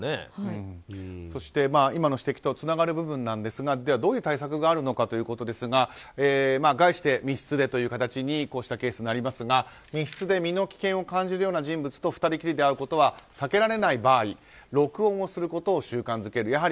そして、今の指摘とつながる部分なんですがどういう対策があるのかということですが概して密室でという形のケースになりますが密室で身の危険を感じるような人物と２人きりで会うことを避けられない場合録音をすることを習慣づける。